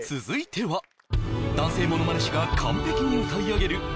続いては男性ものまね師が完璧に歌い上げる